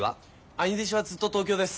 兄弟子はずっと東京です。